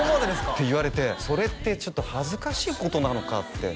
って言われてそれってちょっと恥ずかしいことなのかって